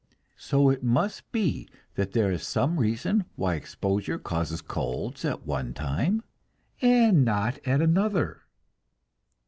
So it must be that there is some reason why exposure causes colds at one time and not at another.